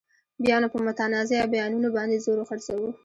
بیا نو په متنازعه بیانونو باندې زور خرڅوو.